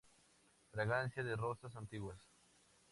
Fragancia de rosas antiguas.